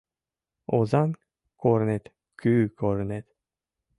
Озаҥ корнет — кӱ корнет: